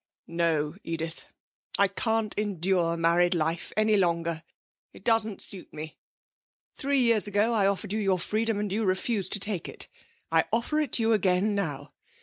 'No, Edith; I can't endure married life any longer. It doesn't suit me. Three years ago I offered you your freedom and you refused to take it; I offer it you again now.